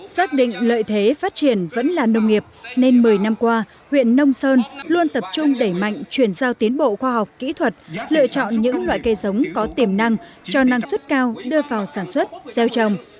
xác định lợi thế phát triển vẫn là nông nghiệp nên một mươi năm qua huyện nông sơn luôn tập trung đẩy mạnh chuyển giao tiến bộ khoa học kỹ thuật lựa chọn những loại cây giống có tiềm năng cho năng suất cao đưa vào sản xuất gieo trồng